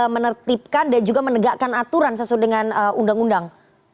menertibkan dan juga menegakkan aturan sesuai dengan undang undang